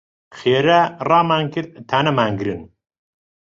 خێرا ڕامان کرد تا نەمانگرن.